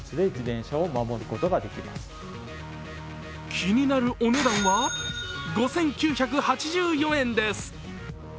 気になるお値段は、５９８４円です。